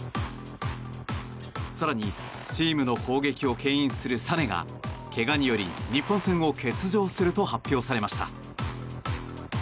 更にチームの攻撃を牽引するサネがけがにより日本戦を欠場すると発表されました。